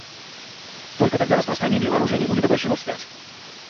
Только тогда распространение вооружений будет обращено вспять.